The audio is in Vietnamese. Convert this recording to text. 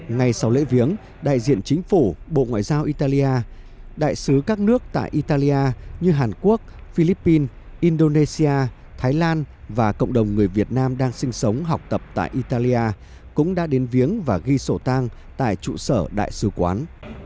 ngay sau lễ viếng đại diện chính phủ bộ ngoại giao italia đại sứ các nước tại italia như hàn quốc philippines indonesia thái lan và cộng đồng người việt nam đang sinh sống học tập tại italia cũng đã đến viếng và ghi sổ tang tại trụ sở đại sứ quán